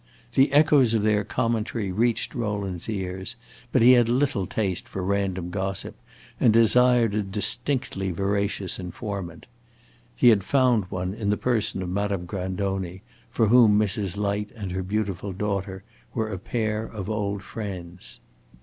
The echoes of their commentary reached Rowland's ears; but he had little taste for random gossip, and desired a distinctly veracious informant. He had found one in the person of Madame Grandoni, for whom Mrs. Light and her beautiful daughter were a pair of old friends.